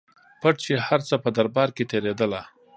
پټ چي هر څه په دربار کي تېرېدله